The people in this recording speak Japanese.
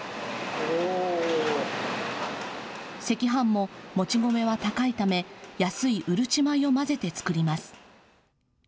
赤飯も、もち米は高いため、安いうるち米を混ぜて作ります。